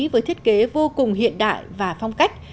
với thiết kế vô cùng hiện đại và phong cách